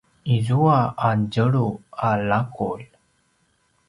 izua a tjelu a laqulj